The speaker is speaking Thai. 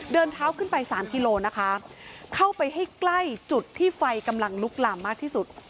เดินเท้าขึ้นไปสามกิโลนะคะเข้าไปให้ใกล้จุดที่ไฟกำลังลุกลามมากที่สุด